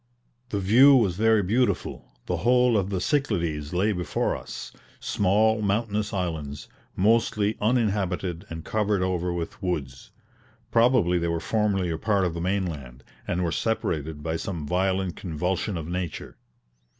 The view was very beautiful; the whole of the Cyclades lay before us: small, mountainous islands, mostly uninhabited and covered over with woods. Probably they were formerly a part of the mainland, and were separated by some violent convulsion of nature.